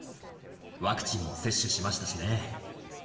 ワクチンも接種しましたしね。